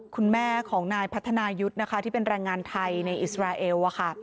คุณแม่ของนายพัฒนายุทธ์นะคะที่เป็นแรงงานไทยในอิสราเอล